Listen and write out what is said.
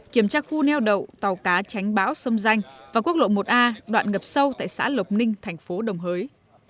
kiểm tra khu neo đậu tàu cá tránh bão sông danh và quốc lộ một a đoạn ngập sâu tại xã lộc ninh thành phố đồng hới